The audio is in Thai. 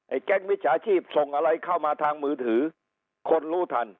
แก๊งมิจฉาชีพส่งอะไรเข้ามาทางมือถือคนรู้ทัน